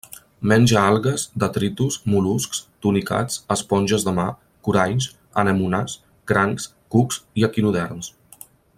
Menja algues, detritus, mol·luscs, tunicats, esponges de mar, coralls, anemones, crancs, cucs i equinoderms.